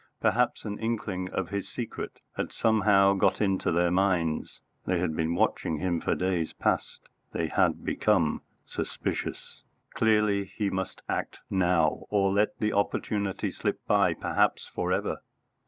Perhaps an inkling of his secret had somehow got into their minds. They had been watching him for days past. They had become suspicious. Clearly, he must act now, or let the opportunity slip by perhaps for ever.